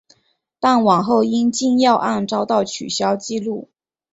但往后因禁药案遭到取消记录。